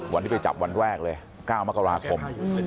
วันที่ไปจับวันแรกเลย๙มกราคม